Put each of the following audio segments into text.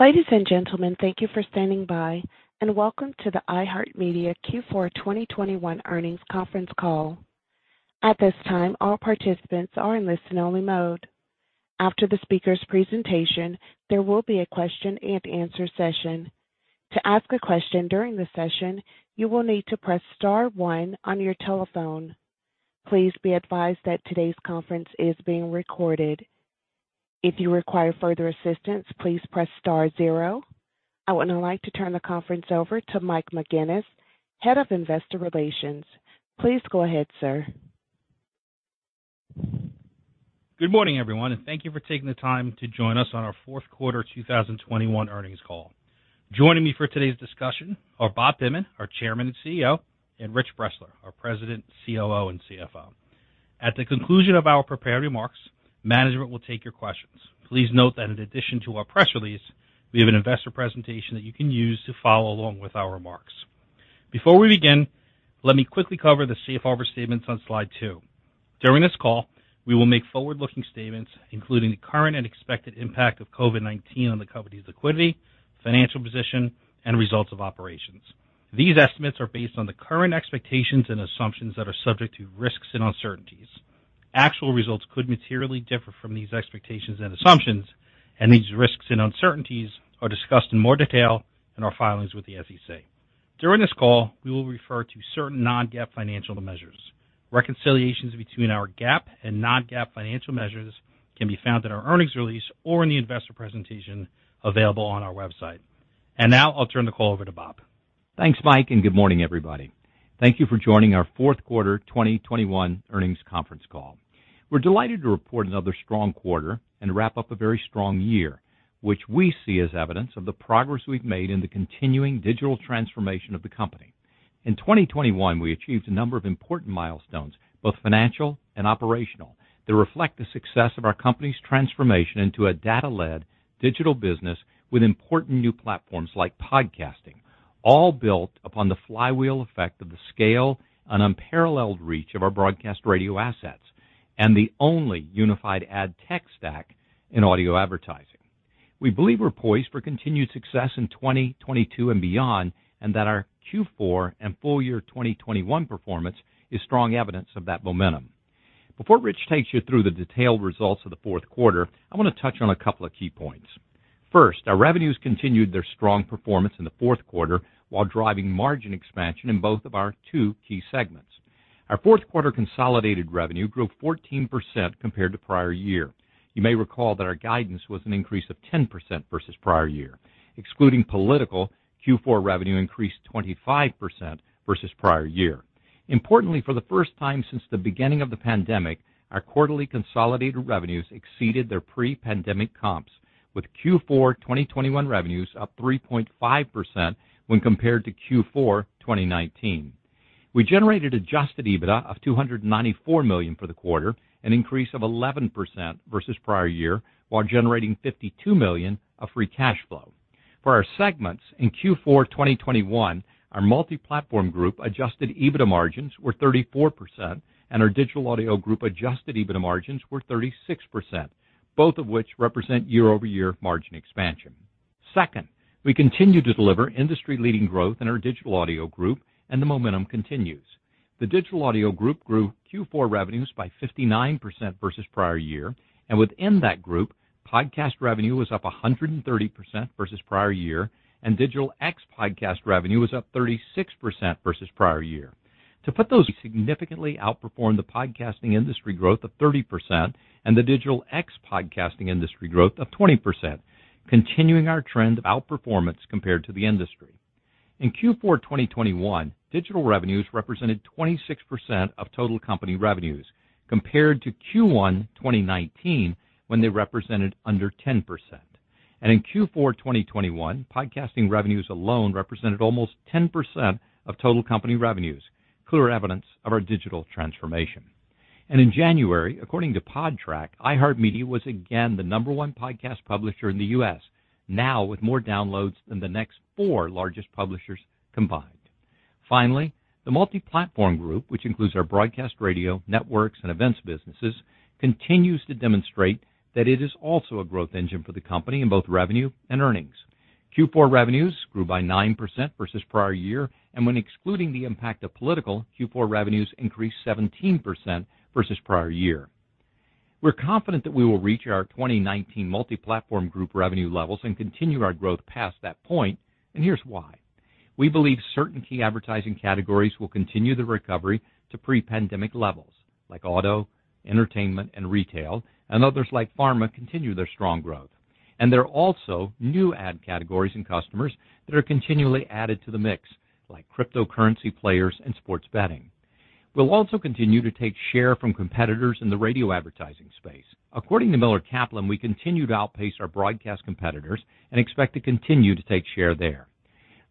Ladies and gentlemen, thank you for standing by, and welcome to the iHeartMedia Q4 2021 Earnings Conference Call. At this time, all participants are in listen-only mode. After the speaker's presentation, there will be a question-and-answer session. To ask a question during the session, you will need to press star one on your telephone. Please be advised that today's conference is being recorded. If you require further assistance, please press star zero. I would now like to turn the conference over to Mike McGuinness, Head of Investor Relations. Please go ahead, sir. Good morning, everyone, and thank you for taking the time to join us on our Q4 2021 earnings call. Joining me for today's discussion are Bob Pittman, our Chairman and CEO, and Rich Bressler, our President, COO, and CFO. At the conclusion of our prepared remarks, management will take your questions. Please note that in addition to our press release, we have an investor presentation that you can use to follow along with our remarks. Before we begin, let me quickly cover the safe harbor statements on slide two. During this call, we will make forward-looking statements, including the current and expected impact of COVID-19 on the company's liquidity, financial position, and results of operations. These estimates are based on the current expectations and assumptions that are subject to risks and uncertainties. Actual results could materially differ from these expectations and assumptions, and these risks and uncertainties are discussed in more detail in our filings with the SEC. During this call, we will refer to certain non-GAAP financial measures. Reconciliations between our GAAP and non-GAAP financial measures can be found in our earnings release or in the investor presentation available on our website. Now, I'll turn the call over to Bob. Thanks, Mike, and good morning, everybody. Thank you for joining our Q4 2021 earnings conference call. We're delighted to report another strong quarter and wrap up a very strong year, which we see as evidence of the progress we've made in the continuing digital transformation of the company. In 2021, we achieved a number of important milestones, both financial and operational, that reflect the success of our company's transformation into a data-led digital business with important new platforms like podcasting, all built upon the flywheel effect of the scale and unparalleled reach of our broadcast radio assets and the only unified ad tech stack in audio advertising. We believe we're poised for continued success in 2022 and beyond, and that our Q4 and full year 2021 performance is strong evidence of that momentum. Before Rich takes you through the detailed results of the Q4, I want to touch on a couple of key points. First, our revenues continued their strong performance in the Q4 while driving margin expansion in both of our two key segments. Our Q4 consolidated revenue grew 14% compared to prior year. You may recall that our guidance was an increase of 10% versus prior year. Excluding political, Q4 revenue increased 25% versus prior year. Importantly, for the first time since the beginning of the pandemic, our quarterly consolidated revenues exceeded their pre-pandemic comps, with Q4 2021 revenues up 3.5% when compared to Q4 2019. We generated adjusted EBITDA of $294 million for the quarter, an increase of 11% versus prior year, while generating $52 million of free cash flow. For our segments, in Q4 2021, our Multiplatform Group adjusted EBITDA margins were 34%, and our Digital Audio Group adjusted EBITDA margins were 36%, both of which represent year-over-year margin expansion. Second, we continue to deliver industry-leading growth in our Digital Audio Group, and the momentum continues. The Digital Audio Group grew Q4 revenues by 59% versus prior year, and within that group, podcast revenue was up 130% versus prior year, and digital ex-podcast revenue was up 36% versus prior year. To put those, we significantly outperformed the podcasting industry growth of 30% and the digital ex-podcasting industry growth of 20%, continuing our trend of outperformance compared to the industry. In Q4 2021, digital revenues represented 26% of total company revenues, compared to Q1 2019, when they represented under 10%. In Q4 2021, podcasting revenues alone represented almost 10% of total company revenues, clear evidence of our digital transformation. In January, according to Podtrac, iHeartMedia was again the number one podcast publisher in the U.S., now with more downloads than the next four largest publishers combined. Finally, the Multiplatform Group, which includes our broadcast radio, networks, and events businesses, continues to demonstrate that it is also a growth engine for the company in both revenue and earnings. Q4 revenues grew by 9% versus prior year, and when excluding the impact of political, Q4 revenues increased 17% versus prior year. We're confident that we will reach our 2019 Multiplatform Group revenue levels and continue our growth past that point, and here's why. We believe certain key advertising categories will continue the recovery to pre-pandemic levels, like auto, entertainment, and retail, and others like pharma continue their strong growth. There are also new ad categories and customers that are continually added to the mix, like cryptocurrency players and sports betting. We'll also continue to take share from competitors in the radio advertising space. According to Miller Kaplan, we continue to outpace our broadcast competitors and expect to continue to take share there.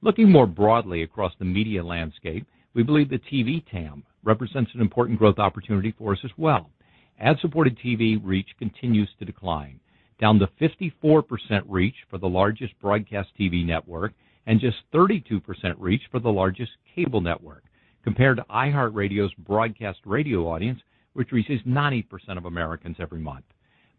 Looking more broadly across the media landscape, we believe the TV TAM represents an important growth opportunity for us as well. Ad-supported TV reach continues to decline, down to 54% reach for the largest broadcast TV network and just 32% reach for the largest cable network. Compared to iHeartRadio's broadcast radio audience, which reaches 90% of Americans every month.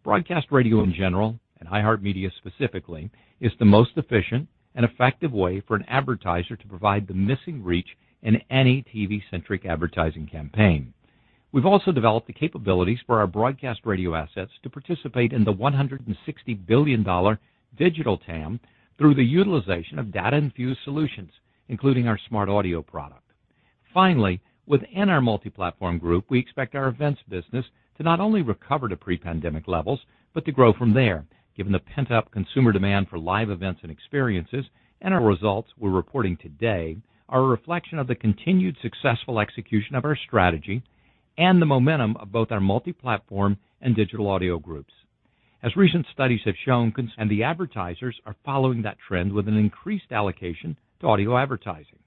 Broadcast radio in general, and iHeartMedia specifically, is the most efficient and effective way for an advertiser to provide the missing reach in any TV-centric advertising campaign. We've also developed the capabilities for our broadcast radio assets to participate in the $160 billion digital TAM through the utilization of data-infused solutions, including our SmartAudio product. Finally, within our Multiplatform Group, we expect our events business to not only recover to pre-pandemic levels, but to grow from there, given the pent-up consumer demand for live events and experiences and our results we're reporting today are a reflection of the continued successful execution of our strategy and the momentum of both our Multiplatform and Digital Audio Groups. As recent studies have shown, the advertisers are following that trend with an increased allocation to audio advertising.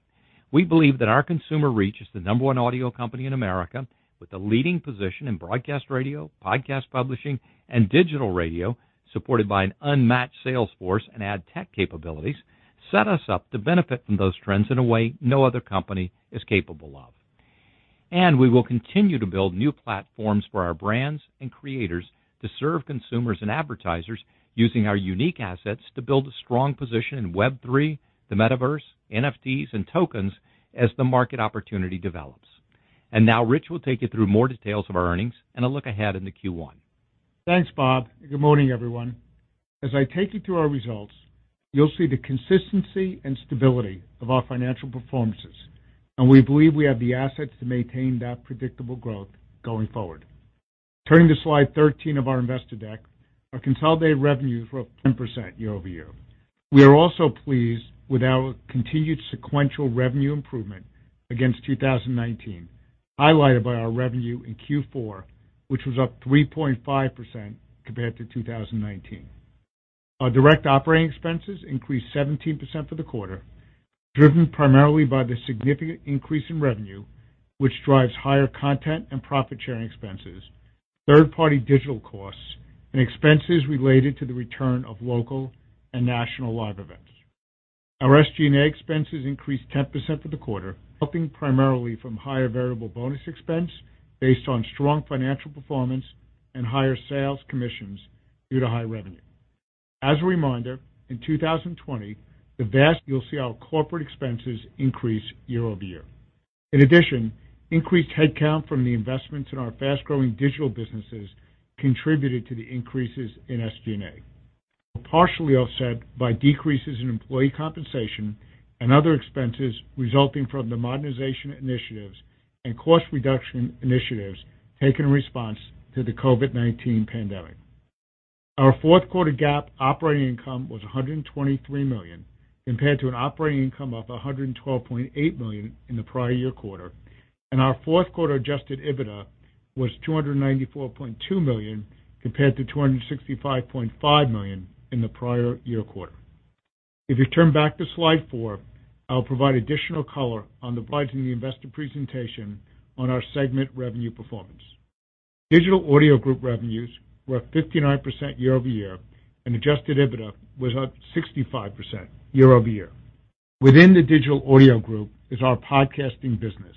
We believe that our consumer reach is the number one audio company in America, with a leading position in broadcast radio, podcast publishing, and digital radio, supported by an unmatched sales force and ad tech capabilities, set us up to benefit from those trends in a way no other company is capable of. We will continue to build new platforms for our brands and creators to serve consumers and advertisers using our unique assets to build a strong position in Web3, the metaverse, NFTs, and tokens as the market opportunity develops. Now Rich will take you through more details of our earnings and a look ahead into Q1. Thanks, Bob. Good morning, everyone. As I take you through our results, you'll see the consistency and stability of our financial performances, and we believe we have the assets to maintain that predictable growth going forward. Turning to slide 13 of our investor deck, our consolidated revenues were up 10% year-over-year. We are also pleased with our continued sequential revenue improvement against 2019, highlighted by our revenue in Q4, which was up 3.5% compared to 2019. Our direct operating expenses increased 17% for the quarter, driven primarily by the significant increase in revenue, which drives higher content and profit sharing expenses, third-party digital costs, and expenses related to the return of local and national live events. Our SG&A expenses increased 10% for the quarter, driven primarily by higher variable bonus expense based on strong financial performance and higher sales commissions due to high revenue. As a reminder, in 2020, you'll see our corporate expenses increase year-over-year. In addition, increased headcount from the investments in our fast-growing digital businesses contributed to the increases in SG&A, which were partially offset by decreases in employee compensation and other expenses resulting from the modernization initiatives and cost reduction initiatives taken in response to the COVID-19 pandemic. Our Q4 GAAP operating income was $123 million, compared to an operating income of $112.8 million in the prior year quarter, and our Q4 adjusted EBITDA was $294.2 million, compared to $265.5 million in the prior year quarter. If you turn back to slide four, I'll provide additional color, providing the investor presentation on our segment revenue performance. Digital Audio Group revenues were up 59% year-over-year, and Adjusted EBITDA was up 65% year-over-year. Within the Digital Audio Group is our podcasting business,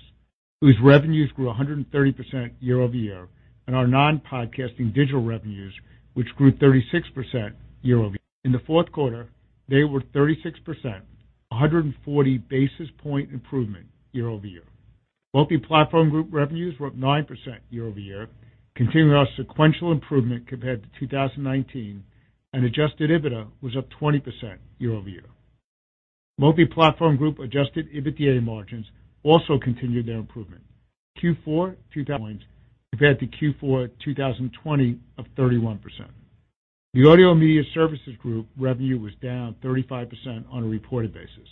whose revenues grew 130% year-over-year, and our non-podcasting digital revenues, which grew 36% year-over-year. In the Q4, they were 36%, a 140 basis point improvement year-over-year. Multiplatform Group revenues were up 9% year-over-year, continuing our sequential improvement compared to 2019, and adjusted EBITDA was up 20% year-over-year. Multiplatform Group adjusted EBITDA margins also continued their improvement. Q4 2021, 36 points compared to Q4 2020 of 31%. The Audio and Media Services Group revenue was down 35% on a reported basis.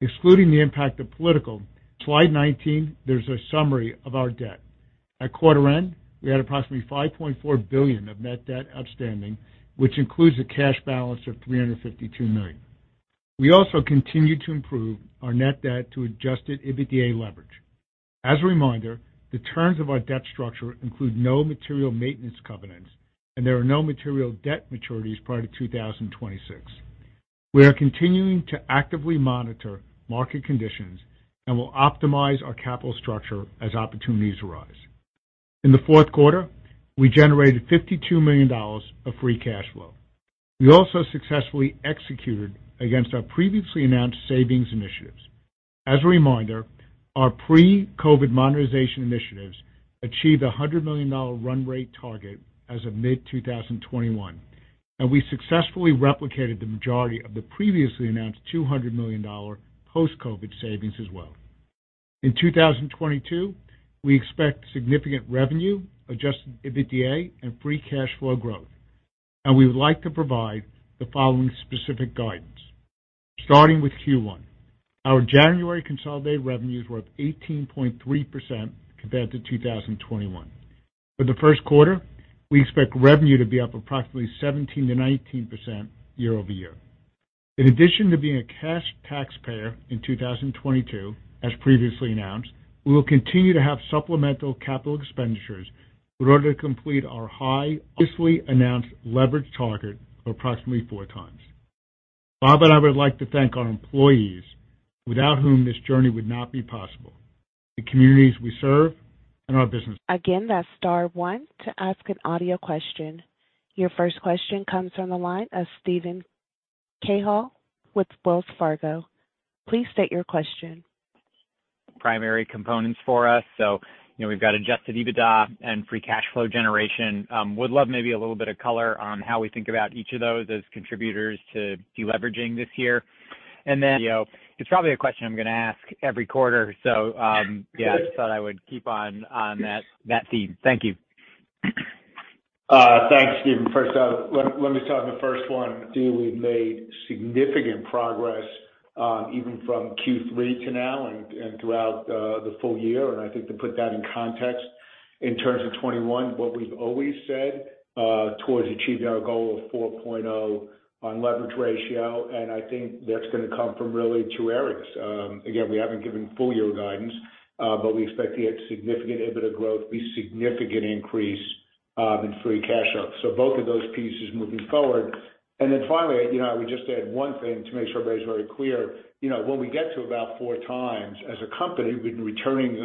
Excluding the impact of political, slide 19, there's a summary of our debt. At quarter end, we had approximately $5.4 billion of net debt outstanding, which includes a cash balance of $352 million. We also continued to improve our net debt to adjusted EBITDA leverage. As a reminder, the terms of our debt structure include no material maintenance covenants, and there are no material debt maturities prior to 2026. We are continuing to actively monitor market conditions and will optimize our capital structure as opportunities arise. In the Q4, we generated $52 million of free cash flow. We also successfully executed against our previously announced savings initiatives. As a reminder, our pre-COVID modernization initiatives achieved a $100 million run rate target as of mid-2021, and we successfully replicated the majority of the previously announced $200 million post-COVID savings as well. In 2022, we expect significant revenue, Adjusted EBITDA, and free cash flow growth, and we would like to provide the following specific guidance. Starting with Q1. Our January consolidated revenues were up 18.3% compared to 2021. For the Q1, we expect revenue to be up approximately 17%-19% year-over-year. In addition to being a cash taxpayer in 2022, as previously announced, we will continue to have supplemental capital expenditures in order to complete our previously announced leverage target of approximately 4x. Bob and I would like to thank our employees without whom this journey would not be possible, the communities we serve and our business partners. Again, that's star one to ask an audio question. Your first question comes from the line of Steven Cahall with Wells Fargo. Please state your question. Primary components for us. You know, we've got adjusted EBITDA and free cash flow generation. Would love maybe a little bit of color on how we think about each of those as contributors to de-leveraging this year. You know, it's probably a question I'm going to ask every quarter. Yeah, just thought I would keep on that theme. Thank you. Thanks, Steven. First, let me start on the first one. I feel we've made significant progress, even from Q3 to now and throughout the full year. I think to put that in context, in terms of 2021, what we've always said towards achieving our goal of 4.0 on leverage ratio, and I think that's going to come from really two areas. Again, we haven't given full year guidance, but we expect to get significant EBITDA growth, significant increase in free cash flow. Both of those pieces moving forward. Then finally, you know, I would just add one thing to make sure everybody's very clear. You know, when we get to about 4x as a company, we've been returning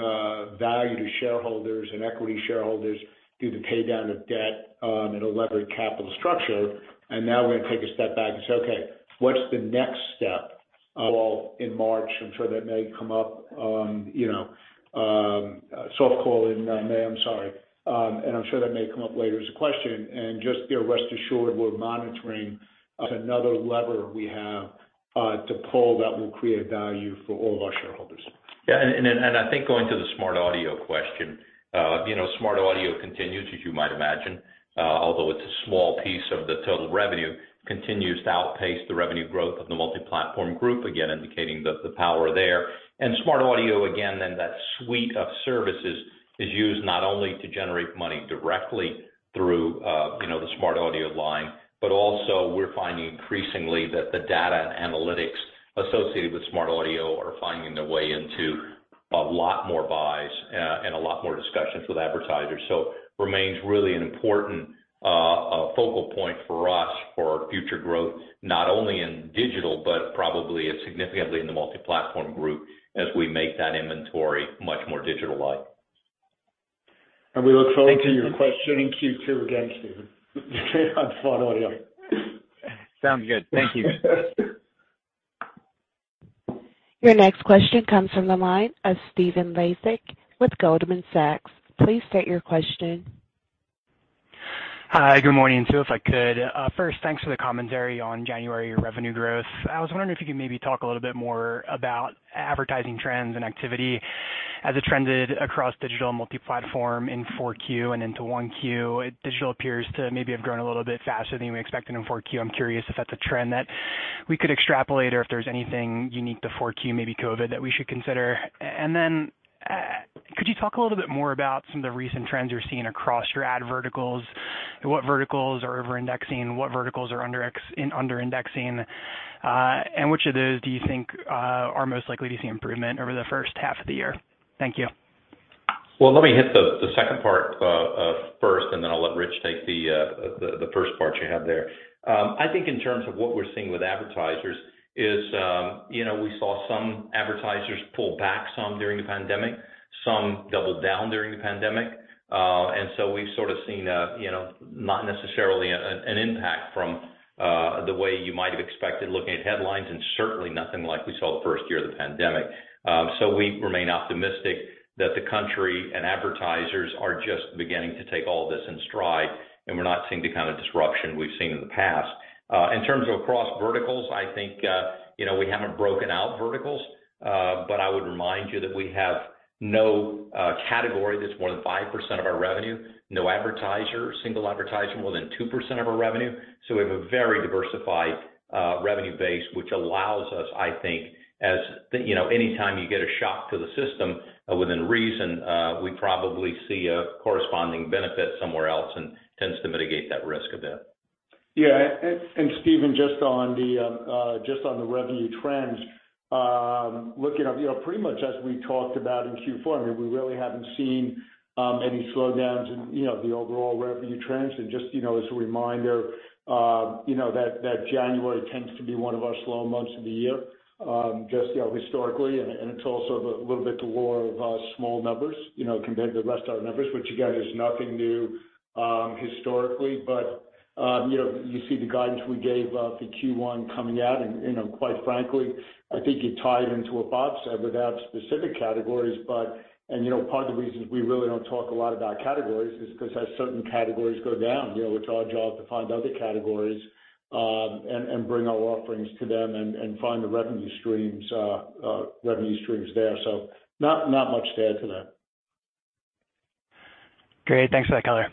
value to shareholders and equity shareholders due to pay down of debt at a levered capital structure. Now we're going to take a step back and say, okay, what's the next step? Call in March, I'm sure that may come up, soft call in May, I'm sorry. I'm sure that may come up later as a question. Just be assured, rest assured we're monitoring another lever we have to pull that will create value for all of our shareholders. Yeah. I think going to the SmartAudio question, you know, SmartAudio continues, as you might imagine, although it's a small piece of the total revenue, continues to outpace the revenue growth of the Multiplatform Group, again, indicating the power there. SmartAudio, again, then that suite of services is used not only to generate money directly through, you know, the SmartAudio line, but also we're finding increasingly that the data and analytics associated with SmartAudio are finding their way into a lot more buys and a lot more discussions with advertisers. It remains really an important focal point for us for our future growth, not only in digital, but probably significantly in the Multiplatform Group as we make that inventory much more digital-like. We look forward to your question in Q2 again, Stephen, on SmartAudio. Sounds good. Thank you. Your next question comes from the line of Stephen Laszczyk with Goldman Sachs. Please state your question. Hi. Good morning. If I could, first, thanks for the commentary on January revenue growth. I was wondering if you could maybe talk a little bit more about advertising trends and activity as it trended across digital and multi-platform in Q4 and into Q1. Digital appears to maybe have grown a little bit faster than we expected in Q4. I'm curious if that's a trend that we could extrapolate or if there's anything unique to Q4, maybe COVID, that we should consider. Then, could you talk a little bit more about some of the recent trends you're seeing across your ad verticals? What verticals are over-indexing? What verticals are under-indexing? And which of those do you think are most likely to see improvement over the first half of the year? Thank you. Well, let me hit the second part first, and then I'll let Rich take the first part you had there. I think in terms of what we're seeing with advertisers is, you know, we saw some advertisers pull back some during the pandemic, some doubled down during the pandemic. We've sort of seen, you know, not necessarily an impact from the way you might have expected looking at headlines, and certainly nothing like we saw the first year of the pandemic. We remain optimistic that the country and advertisers are just beginning to take all this in stride, and we're not seeing the kind of disruption we've seen in the past. In terms of across verticals, I think, you know, we haven't broken out verticals, but I would remind you that we have no category that's more than 5% of our revenue, no single advertiser more than 2% of our revenue. So we have a very diversified revenue base, which allows us, I think, you know, anytime you get a shock to the system within reason, we probably see a corresponding benefit somewhere else and tends to mitigate that risk a bit. Yeah. Stephen, just on the revenue trends, looking at, you know, pretty much as we talked about in Q4, I mean, we really haven't seen any slowdowns in, you know, the overall revenue trends. Just, you know, as a reminder, you know, that January tends to be one of our slow months of the year, just, you know, historically, and it's also a little bit the law of small numbers, you know, compared to the rest of our numbers, which again, is nothing new, historically. You see the guidance we gave for Q1 coming out and, you know, quite frankly, I think you tie it into a box without specific categories. You know, part of the reason we really don't talk a lot about categories is because as certain categories go down, you know, it's our job to find other categories, and bring our offerings to them and find the revenue streams there. Not much to add to that. Great. Thanks for that color.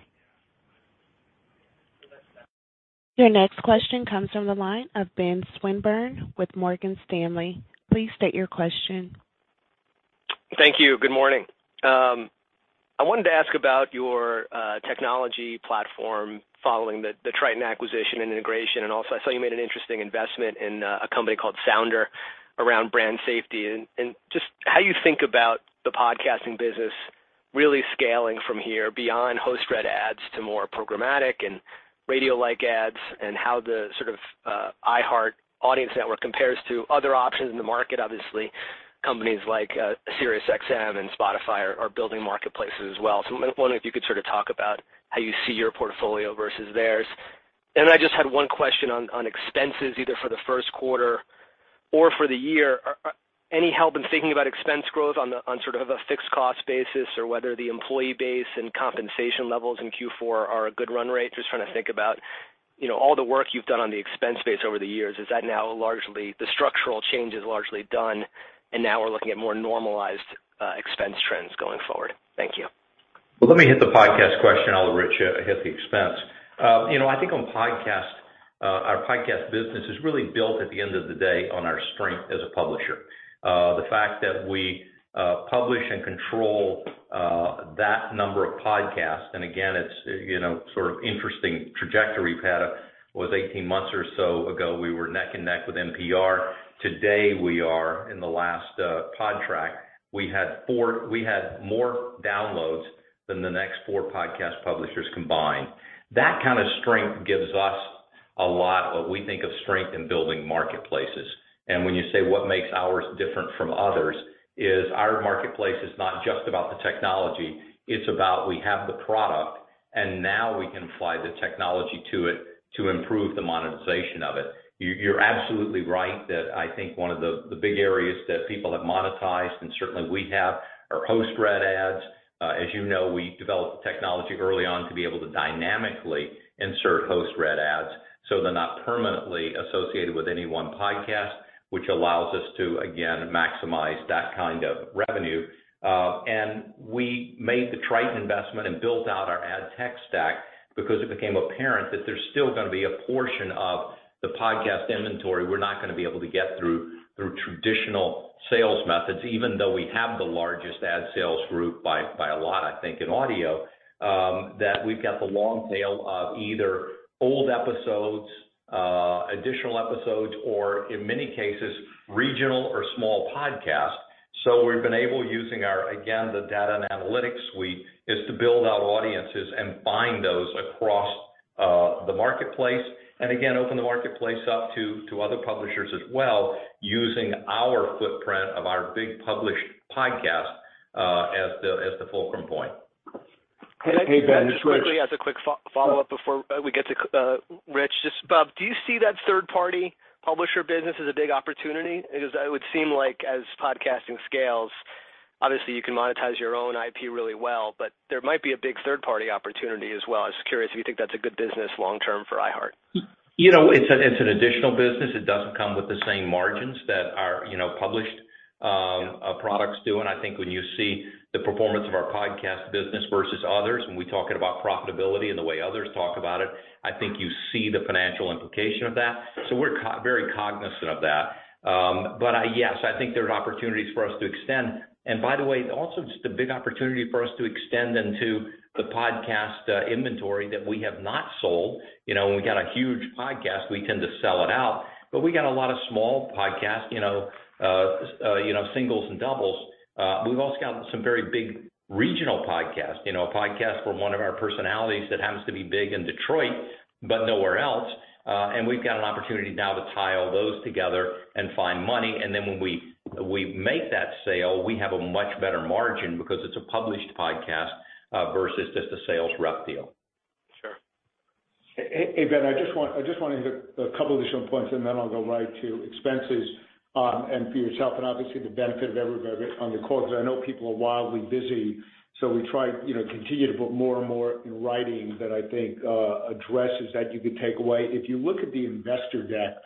Your next question comes from the line of Ben Swinburne with Morgan Stanley. Please state your question. Thank you. Good morning. I wanted to ask about your technology platform following the Triton acquisition and integration. Also, I saw you made an interesting investment in a company called Sounder around brand safety and just how you think about the podcasting business really scaling from here beyond host-read ads to more programmatic and radio-like ads and how the sort of iHeart Audience Network compares to other options in the market. Obviously, companies like SiriusXM and Spotify are building marketplaces as well. I'm wondering if you could sort of talk about how you see your portfolio versus theirs. I just had one question on expenses, either for the Q1 or for the year. Any help in thinking about expense growth on sort of a fixed cost basis or whether the employee base and compensation levels in Q4 are a good run rate? Just trying to think about, you know, all the work you've done on the expense base over the years, is that now largely the structural change is largely done and now we're looking at more normalized expense trends going forward? Thank you. Well, let me hit the podcast question, although Rich hit the expense. You know, I think on podcast, our podcast business is really built at the end of the day on our strength as a publisher. The fact that we publish and control that number of podcasts, and again, it's, you know, sort of interesting trajectory we've had. It was 18 months or so ago, we were neck and neck with NPR. Today, we are in the last Podtrac. We had more downloads than the next four podcast publishers combined. That kind of strength gives us a lot what we think of strength in building marketplaces. When you say what makes ours different from others is our marketplace is not just about the technology, it's about we have the product, and now we can apply the technology to it to improve the monetization of it. You're absolutely right that I think one of the big areas that people have monetized, and certainly we have, are host-read ads. As you know, we developed the technology early on to be able to dynamically insert host-read ads, so they're not permanently associated with any one podcast, which allows us to, again, maximize that kind of revenue. We made the Triton investment and built out our ad tech stack because it became apparent that there's still going to be a portion of the podcast inventory we're not going to be able to get through traditional sales methods, even though we have the largest ad sales group by a lot, I think, in audio. That we've got the long tail of either old episodes, additional episodes, or in many cases, regional or small podcasts. We've been able, using our, again, the data and analytics suite, is to build out audiences and find those across the marketplace, and again, open the marketplace up to other publishers as well, using our footprint of our big published podcasts, as the fulcrum point. Hey, Ben. Just quickly as a quick follow-up before we get to Rich. Just Bob, do you see that third-party publisher business as a big opportunity? Because it would seem like as podcasting scales, obviously, you can monetize your own IP really well, but there might be a big third-party opportunity as well. I was curious if you think that's a good business long term for iHeart. You know, it's an additional business. It doesn't come with the same margins that our published products do. I think when you see the performance of our podcast business versus others, when we're talking about profitability and the way others talk about it, I think you see the financial implication of that. We're very cognizant of that. Yes, I think there's opportunities for us to extend. By the way, also just a big opportunity for us to extend into the podcast inventory that we have not sold. You know, when we got a huge podcast, we tend to sell it out. We got a lot of small podcasts, you know, singles and doubles. We've also got some very big regional podcasts. You know, a podcast from one of our personalities that happens to be big in Detroit, but nowhere else. We've got an opportunity now to tie all those together and find money. Then when we make that sale, we have a much better margin because it's a published podcast versus just a sales rep deal. Sure. Hey, Ben, I just want to hit a couple additional points, and then I'll go right to expenses, and for yourself and obviously the benefit of everybody on the call, because I know people are wildly busy, so we try, you know, continue to put more and more in writing that I think addresses that you could take away. If you look at the investor deck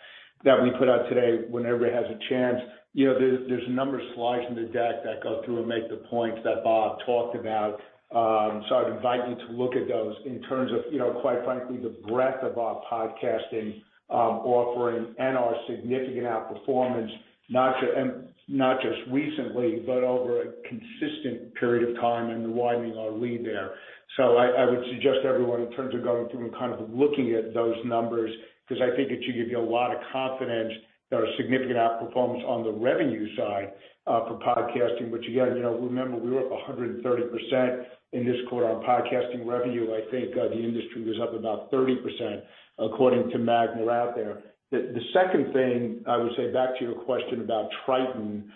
that we put out today, when everybody has a chance, you know, there's a number of slides in the deck that go through and make the points that Bob talked about. So I'd invite you to look at those in terms of, you know, quite frankly, the breadth of our podcasting offering and our significant outperformance, not just recently, but over a consistent period of time and widening our lead there. I would suggest everyone in terms of going through and kind of looking at those numbers because I think it should give you a lot of confidence. There are significant outperformance on the revenue side for podcasting, which again, you know, remember, we were up 130% in this quarter on podcasting revenue. I think the industry was up about 30%, according to Magna out there. The second thing I would say back to your question about Triton,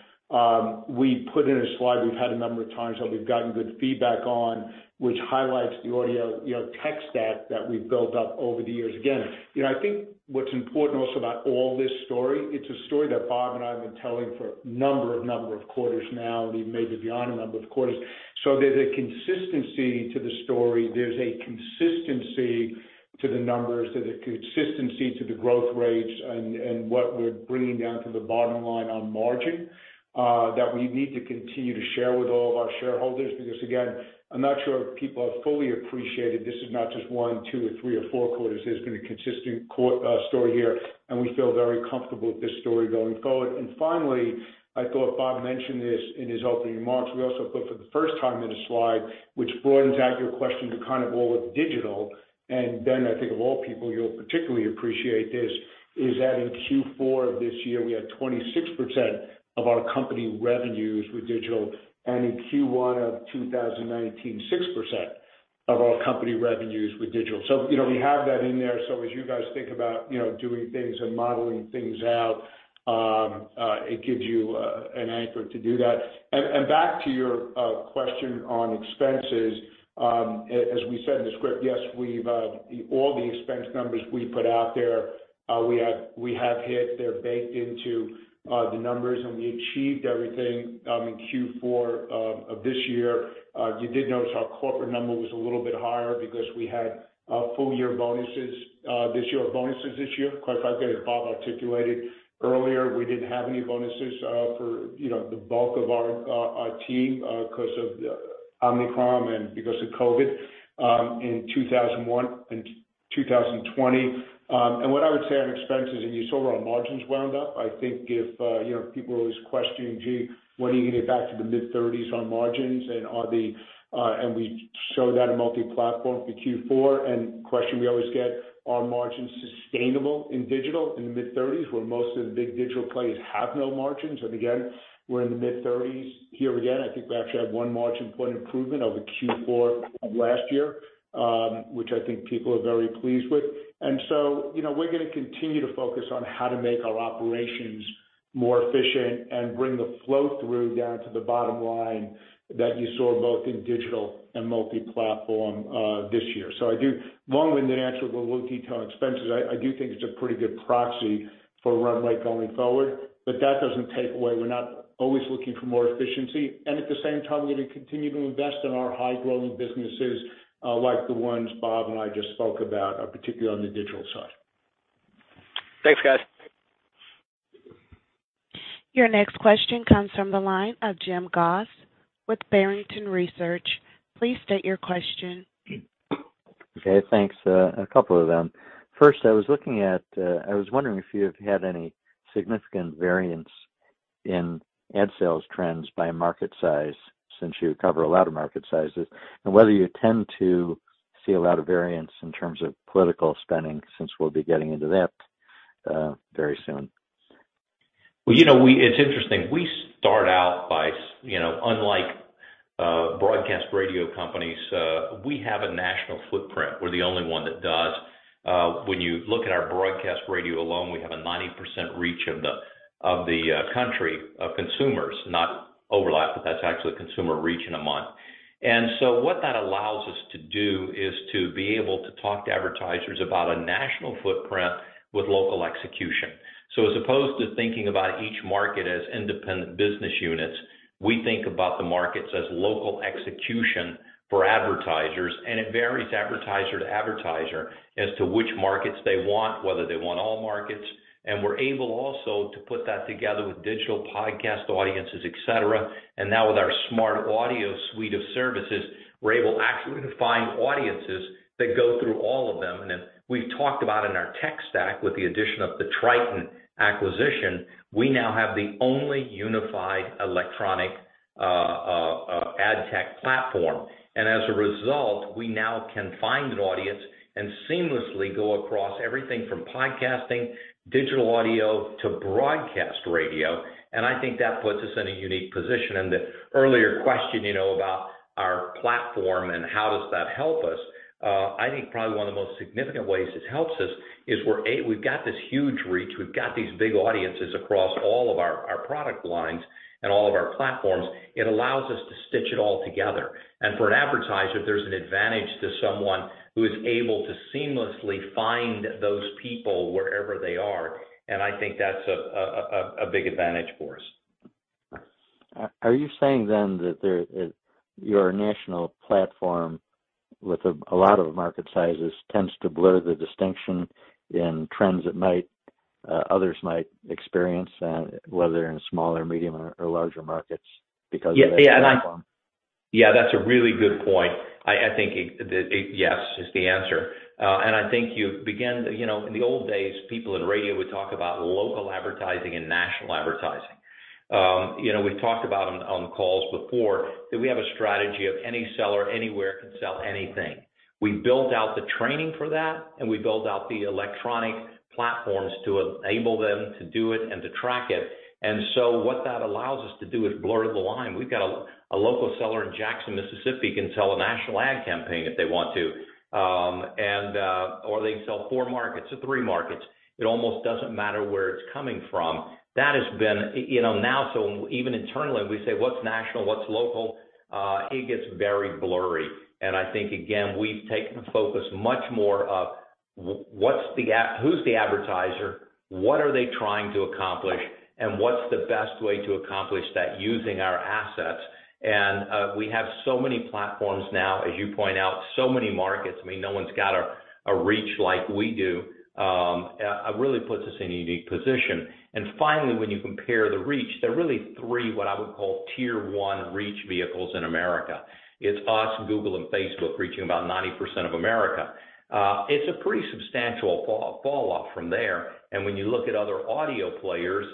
we put in a slide we've had a number of times that we've gotten good feedback on, which highlights the audio tech stack that we've built up over the years. Again, you know, I think what's important also about all this story, it's a story that Bob and I have been telling for a number of quarters now, and even maybe beyond a number of quarters. There's a consistency to the story. There's a consistency to the numbers. There's a consistency to the growth rates and what we're bringing down to the bottom line on margin that we need to continue to share with all of our shareholders. Because, again, I'm not sure if people have fully appreciated this is not just one, two or three or four quarters. There's been a consistent story here, and we feel very comfortable with this story going forward. Finally, I thought Bob mentioned this in his opening remarks. We also put for the first time in a slide, which broadens out your question to kind of all of digital, and Ben, I think of all people, you'll particularly appreciate this, is that in Q4 of this year, we had 26% of our company revenues with digital and in Q1 of 2019, 6% of our company revenues with digital. You know, we have that in there. As you guys think about, you know, doing things and modeling things out, it gives you an anchor to do that. And back to your question on expenses, as we said in the script, yes, we've all the expense numbers we put out there, we have hit. They're baked into the numbers. Achieved everything in Q4 of this year. You did notice our corporate number was a little bit higher because we had full year bonuses this year or bonuses this year. Quite frankly, as Bob articulated earlier, we didn't have any bonuses for, you know, the bulk of our team because of the Omicron and because of COVID in 2020. What I would say on expenses, you saw where our margins wound up. I think, you know, people are always questioning, gee, when are you going to get back to the mid-30s% on margins and we show that in Multiplatform for Q4. The question we always get, are margins sustainable in digital in the mid-30s% where most of the big digital players have no margins? Again, we're in the mid-30s here again. I think we actually had one margin point improvement over Q4 of last year, which I think people are very pleased with. You know, we're going to continue to focus on how to make our operations more efficient and bring the flow-through down to the bottom line that you saw both in Digital and Multiplatform this year. Long-winded answer, but we'll detail expenses. I do think it's a pretty good proxy for run rate going forward. That doesn't take away we're not always looking for more efficiency. At the same time, we're going to continue to invest in our high-growth businesses like the ones Bob and I just spoke about, particularly on the Digital side. Thanks, guys. Your next question comes from the line of Jim Goss with Barrington Research. Please state your question. Okay, thanks. A couple of them. First, I was wondering if you have had any significant variance in ad sales trends by market size since you cover a lot of market sizes, and whether you tend to see a lot of variance in terms of political spending, since we'll be getting into that very soon. Well, you know, it's interesting. We start out by you know, unlike broadcast radio companies, we have a national footprint. We're the only one that does. When you look at our broadcast radio alone, we have a 90% reach of the country of consumers, not overlap, but that's actually consumer reach in a month. What that allows us to do is to be able to talk to advertisers about a national footprint with local execution. As opposed to thinking about each market as independent business units, we think about the markets as local execution for advertisers, and it varies advertiser to advertiser as to which markets they want, whether they want all markets. We're able also to put that together with digital podcast audiences, et cetera. Now with our SmartAudio suite of services, we're able accurately to find audiences that go through all of them. Then we've talked about in our tech stack with the addition of the Triton acquisition, we now have the only unified electronic ad tech platform. As a result, we now can find an audience and seamlessly go across everything from podcasting, digital audio, to broadcast radio. I think that puts us in a unique position. The earlier question, you know, about our platform and how does that help us? I think probably one of the most significant ways this helps us is we've got this huge reach. We've got these big audiences across all of our product lines and all of our platforms. It allows us to stitch it all together. For an advertiser, there's an advantage to someone who is able to seamlessly find those people wherever they are, and I think that's a big advantage for us. Are you saying then that your national platform with a lot of market sizes tends to blur the distinction in trends that others might experience whether in smaller, medium or larger markets because of that platform? Yeah, that's a really good point. I think it is the answer. I think you begin to, you know, in the old days, people in radio would talk about local advertising and national advertising. You know, we've talked about on calls before, that we have a strategy of any seller, anywhere can sell anything. We built out the training for that, and we built out the electronic platforms to enable them to do it and to track it. What that allows us to do is blur the line. We've got a local seller in Jackson, Mississippi, can sell a national ad campaign if they want to. Or they can sell four markets or three markets. It almost doesn't matter where it's coming from. That has been, you know, now so even internally, when we say what's national, what's local, it gets very blurry. I think again, we've taken the focus much more of what's the ad? Who's the advertiser? What are they trying to accomplish? And what's the best way to accomplish that using our assets? We have so many platforms now, as you point out, so many markets, I mean, no one's got a reach like we do, really puts us in a unique position. Finally, when you compare the reach, there are really three, what I would call tier one reach vehicles in America. It's us, Google and Facebook reaching about 90% of America. It's a pretty substantial fall off from there. When you look at other audio players,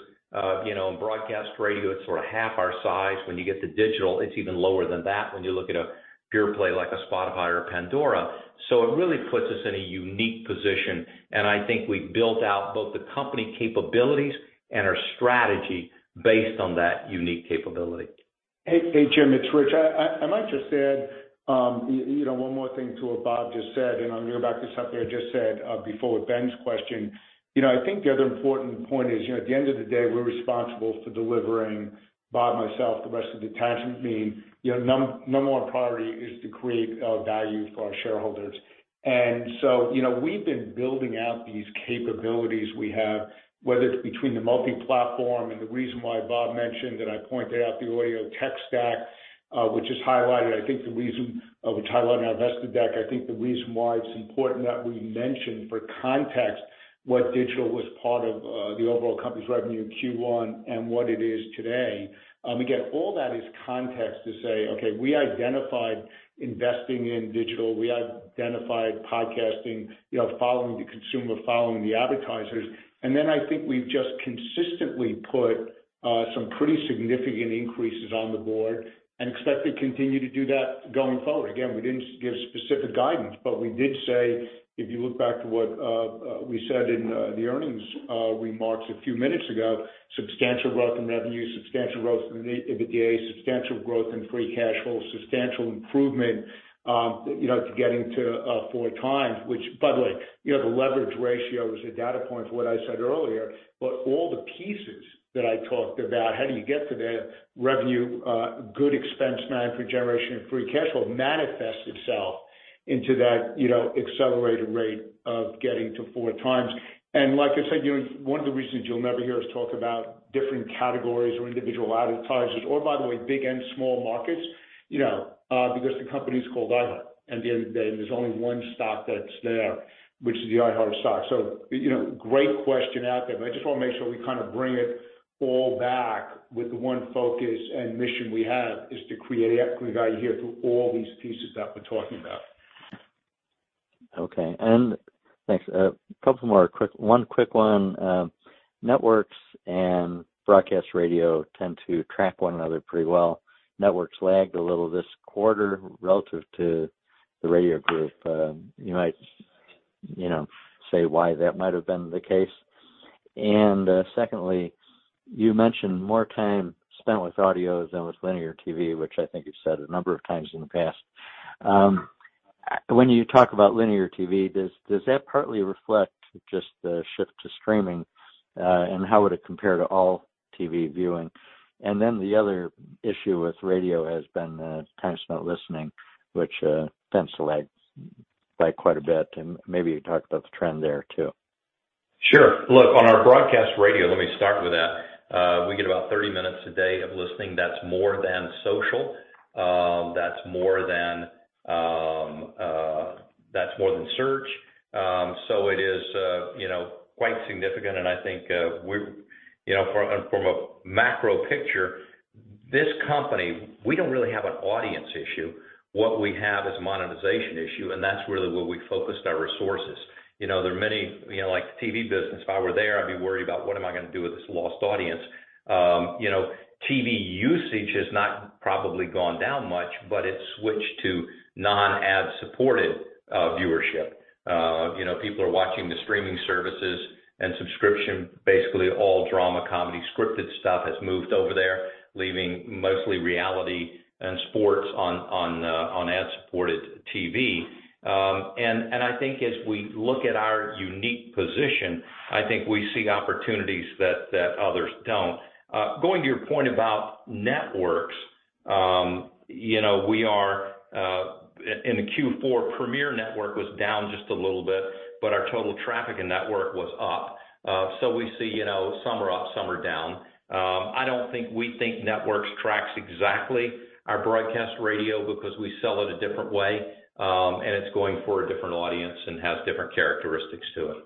you know, in broadcast radio, it's sort of half our size. When you get to digital, it's even lower than that when you look at a pure play like a Spotify or Pandora. It really puts us in a unique position, and I think we've built out both the company capabilities and our strategy based on that unique capability. Hey, Jim. It's Rich. I might just add, you know, one more thing to what Bob just said, and I'll mirror back to something I just said before with Ben's question. You know, I think the other important point is, you know, at the end of the day, we're responsible for delivering, Bob, myself, the rest of the management team. You know, number one priority is to create value for our shareholders. You know, we've been building out these capabilities we have, whether it's between the Multiplatform and the reason why Bob mentioned and I pointed out the ad tech stack, which is highlighted. I think the reason we've highlighted in our investor deck. I think the reason why it's important that we mention for context what digital was part of, the overall company's revenue in Q1 and what it is today. Again, all that is context to say, okay, we identified investing in digital. We identified podcasting, you know, following the consumer, following the advertisers. I think we've just consistently put, some pretty significant increases on the board and expect to continue to do that going forward. Again, we didn't give specific guidance, but we did say, if you look back to what we said in the earnings remarks a few minutes ago, substantial growth in revenue, substantial growth in the EBITDA, substantial growth in free cash flow, substantial improvement, you know, to getting to 4x, which by the way, you know, the leverage ratio is a data point for what I said earlier. All the pieces that I talked about, how do you get to the revenue, good expense management generation and free cash flow manifests itself into that, you know, accelerated rate of getting to 4x. Like I said, you know, one of the reasons you'll never hear us talk about different categories or individual advertisers or by the way, big and small markets, you know, because the company is called iHeart, and then there's only one stock that's there, which is the iHeart stock. So, you know, great question out there, but I just want to make sure we kinda bring it all back with the one focus and mission we have, is to create equity value here through all these pieces that we're talking about. Okay. Thanks. One quick one. Networks and broadcast radio tend to track one another pretty well. Networks lagged a little this quarter relative to the radio group. You might, you know, say why that might have been the case. Secondly, you mentioned more time spent with audio than with linear TV, which I think you've said a number of times in the past. When you talk about linear TV, does that partly reflect just the shift to streaming? How would it compare to all TV viewing? The other issue with radio has been time spent listening, which tends to lag by quite a bit. Maybe you talk about the trend there too. Sure. Look, on our broadcast radio, let me start with that. We get about 30 minutes a day of listening. That's more than social. That's more than search. It is, you know, quite significant. I think we're, you know, from a macro picture, this company, we don't really have an audience issue. What we have is a monetization issue, and that's really where we focused our resources. You know, there are many, you know, like the TV business, if I were there, I'd be worried about what am I going to do with this lost audience. You know, TV usage has not probably gone down much, but it's switched to non-ad supported viewership. You know, people are watching the streaming services and subscription. Basically, all drama, comedy, scripted stuff has moved over there, leaving mostly reality and sports on ad-supported TV. I think as we look at our unique position, I think we see opportunities that others don't. Going to your point about networks, you know, we are in the Q4, Premiere Networks was down just a little bit, but our total traffic and network was up. We see, you know, some are up, some are down. I don't think networks tracks exactly our broadcast radio because we sell it a different way, and it's going for a different audience and has different characteristics to it.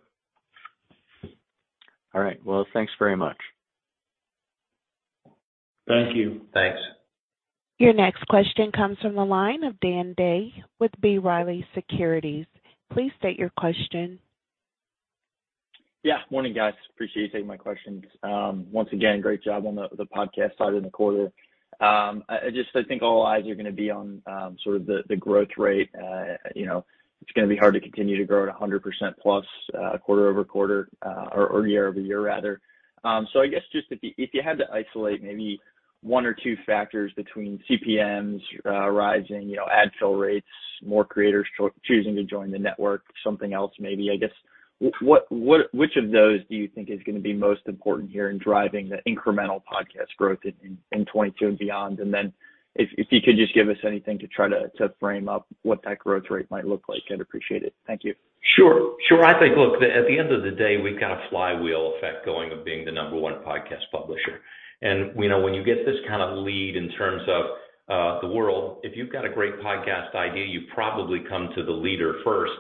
All right. Well, thanks very much. Thank you. Thanks. Your next question comes from the line of Dan Day with B. Riley Securities. Please state your question. Yeah. Morning, guys. Appreciate you taking my questions. Once again, great job on the podcast side in the quarter. I think all eyes are going to be on sort of the growth rate. You know, it's going to be hard to continue to grow at 100%+ quarter-over-quarter or year-over-year rather. I guess just if you had to isolate maybe one or two factors between CPMs rising, you know, ad fill rates, more creators choosing to join the network, something else maybe, I guess which of those do you think is going to be most important here in driving the incremental podcast growth in 2022 and beyond? If you could just give us anything to try to frame up what that growth rate might look like, I'd appreciate it. Thank you. Sure. I think, look, at the end of the day, we've got a flywheel effect going of being the number one podcast publisher. You know, when you get this kind of lead in terms of the world, if you've got a great podcast idea, you probably come to the leader first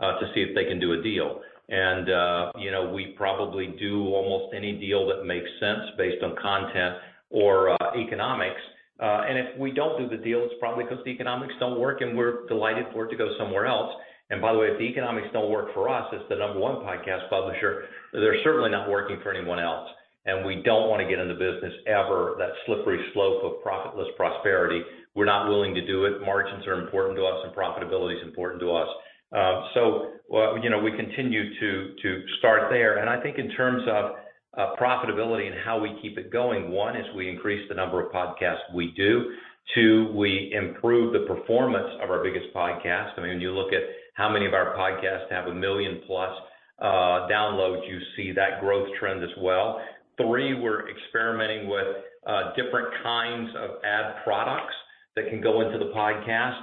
to see if they can do a deal. You know, we probably do almost any deal that makes sense based on content or economics. If we don't do the deal, it's probably because the economics don't work, and we're delighted for it to go somewhere else. By the way, if the economics don't work for us as the number one podcast publisher, they're certainly not working for anyone else. We don't want to get in the business ever, that slippery slope of profitless prosperity. We're not willing to do it. Margins are important to us, and profitability is important to us. So, you know, we continue to start there. I think in terms of profitability and how we keep it going, one is we increase the number of podcasts we do. Two, we improve the performance of our biggest podcasts. I mean, when you look at how many of our podcasts have 1 million-plus downloads, you see that growth trend as well. Three, we're experimenting with different kinds of ad products that can go into the podcast.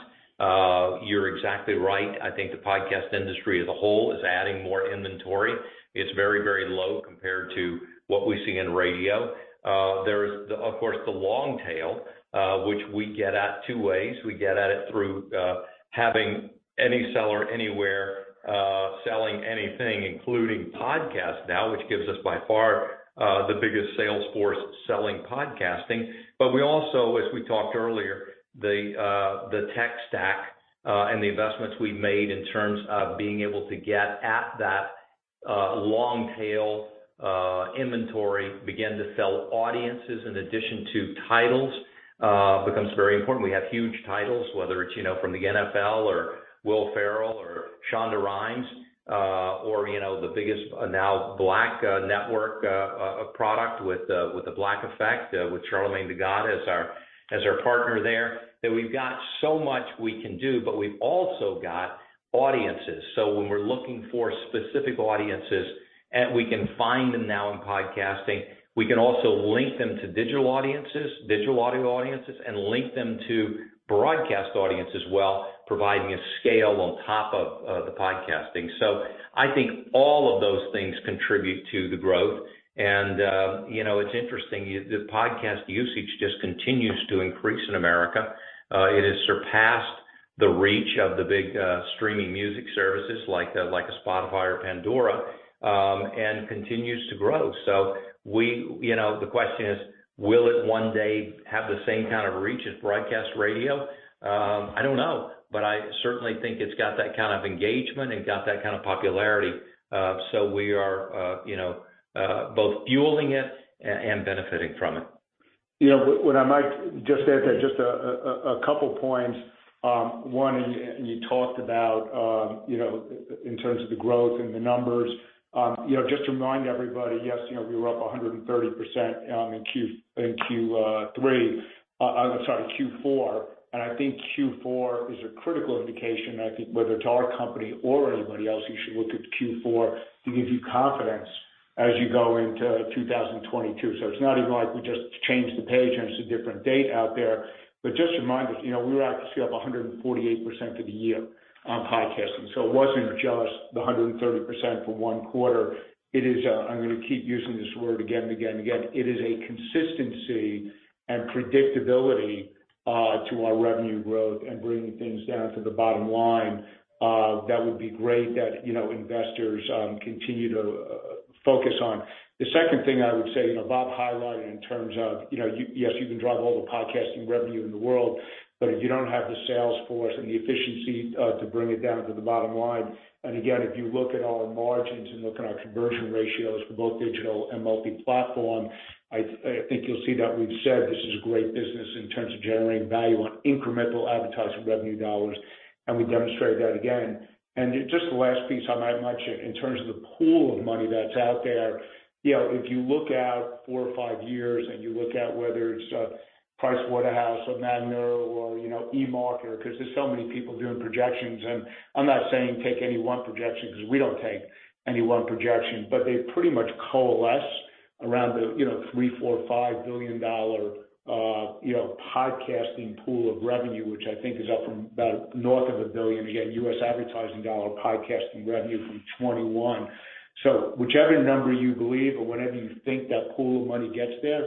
You're exactly right. I think the podcast industry as a whole is adding more inventory. It's very, very low compared to what we see in radio. There's of course, the long tail, which we get at two ways. We get at it through having any seller anywhere selling anything, including podcasts now, which gives us by far the biggest sales force selling podcasting. We also, as we talked earlier, the tech stack and the investments we've made in terms of being able to get at that long tail inventory begin to sell audiences in addition to titles, becomes very important. We have huge titles, whether it's, you know, from the NFL or Will Ferrell or Shonda Rhimes, or, you know, the biggest now, Black network product with The Black Effect with Charlamagne tha God as our partner there, that we've got so much we can do, but we've also got audiences. When we're looking for specific audiences and we can find them now in podcasting, we can also link them to digital audiences, digital audio audiences, and link them to broadcast audience as well, providing a scale on top of the podcasting. I think all of those things contribute to the growth. You know, it's interesting, the podcast usage just continues to increase in America. It has surpassed the reach of the big streaming music services like a Spotify or Pandora, and continues to grow. You know, the question is, will it one day have the same kind of reach as broadcast radio? I don't know, but I certainly think it's got that kind of engagement and got that kind of popularity. You know, we are both fueling it and benefiting from it. You know, what I might just add to that, just a couple points. One, you talked about, you know, in terms of the growth and the numbers. You know, just to remind everybody, yes, you know, we were up 130% in Q4. I think Q4 is a critical indication. I think whether it's our company or anybody else, you should look at Q4 to give you confidence as you go into 2022. It's not even like we just changed the page and it's a different date out there. Just a reminder, you know, we were actually up 148% for the year on podcasting, so it wasn't just the 130% for one quarter. It is, I'm going to keep using this word again and again and again. It is a consistency and predictability to our revenue growth and bringing things down to the bottom line that would be great that, you know, investors continue to focus on. The second thing I would say, you know, Bob highlighted in terms of, you know, yes, you can drive all the podcasting revenue in the world, but if you don't have the sales force and the efficiency to bring it down to the bottom line. Again, if you look at our margins and look at our conversion ratios for both Digital and Multiplatform, I think you'll see that we've said this is a great business in terms of generating value on incremental advertising revenue dollars, and we demonstrated that again. Just the last piece I might mention in terms of the pool of money that's out there. You know, if you look out four or five years and you look at whether it's PricewaterhouseCoopers or Magna or, you know, eMarketer, because there's so many people doing projections, and I'm not saying take any one projection because we don't take any one projection, but they pretty much coalesce around the, you know, $3-$5 billion podcasting pool of revenue, which I think is up from about north of $1 billion, again, U.S. advertising dollar podcasting revenue from 2021. Whichever number you believe or whatever you think that pool of money gets there,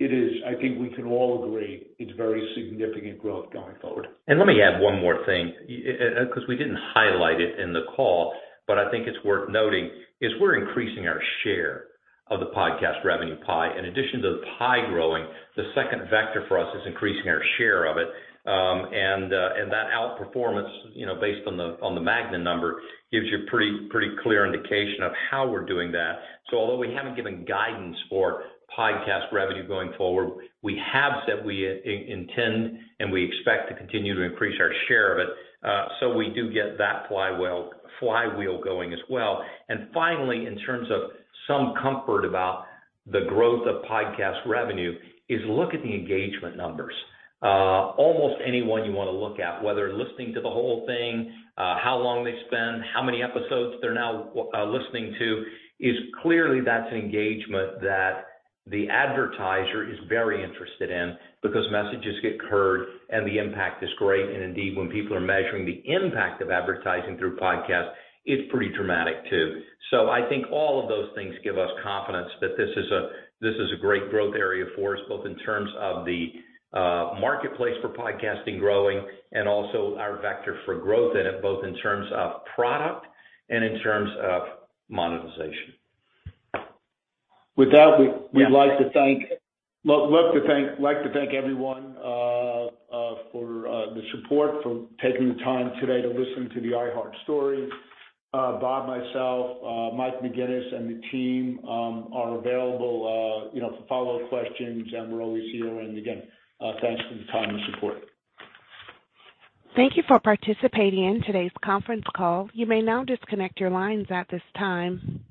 it is, I think we can all agree, it's very significant growth going forward. Let me add one more thing, because we didn't highlight it in the call, but I think it's worth noting, is we're increasing our share of the podcast revenue pie. In addition to the pie growing, the second vector for us is increasing our share of it. That outperformance, you know, based on the Magna number, gives you a pretty clear indication of how we're doing that. Although we haven't given guidance for podcast revenue going forward, we have said we intend and we expect to continue to increase our share of it. We do get that flywheel going as well. Finally, in terms of some comfort about the growth of podcast revenue is look at the engagement numbers. Almost anyone you want to look at, whether listening to the whole thing, how long they spend, how many episodes they're now listening to, is clearly that's an engagement that the advertiser is very interested in because messages get heard and the impact is great. Indeed, when people are measuring the impact of advertising through podcasts, it's pretty dramatic too. I think all of those things give us confidence that this is a great growth area for us, both in terms of the marketplace for podcasting growing and also our vector for growth in it, both in terms of product and in terms of monetization. With that. Yeah. We'd like to thank everyone for the support, for taking the time today to listen to the iHeart story. Bob, myself, Mike McGuinness, and the team are available, you know, for follow-up questions, and we're always here. Again, thanks for the time and support. Thank you for participating in today's conference call. You may now disconnect your lines at this time.